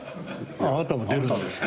あなたも出るんですよ。